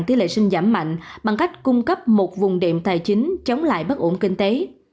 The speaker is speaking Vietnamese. tỷ lệ sinh giảm mạnh bằng cách cung cấp một vùng đệm tài chính chống lại bất ổn kinh tế